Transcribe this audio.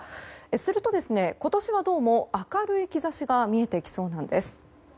すると、今年はどうも明るい兆しが見えてきそうなんです。